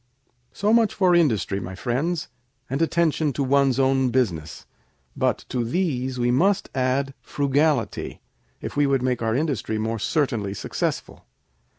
"So much for industry, my friends, and attention to one's own business; but to these we must add frugality, if we would make our industry more certainly successful.